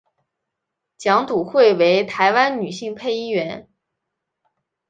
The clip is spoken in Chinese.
蒋笃慧为台湾女性配音员。